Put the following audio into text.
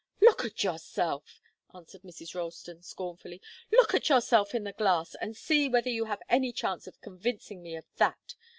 "Look at yourself!" answered Mrs. Ralston, scornfully. "Look at yourself in the glass and see whether you have any chance of convincing me of that.